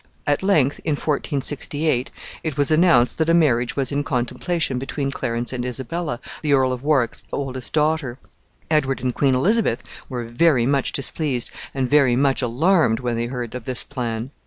At length, in 1468, it was announced that a marriage was in contemplation between Clarence and Isabella, the Earl of Warwick's oldest daughter. Edward and Queen Elizabeth were very much displeased and very much alarmed when they heard of this plan.